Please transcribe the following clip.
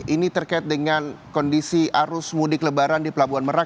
ini terkait dengan kondisi arus mudik lebaran di pelabuhan merak